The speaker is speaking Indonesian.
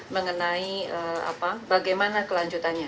mengenai bagaimana kelanjutannya